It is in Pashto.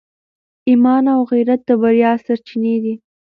ایمان او غیرت د بریا سرچینې دي.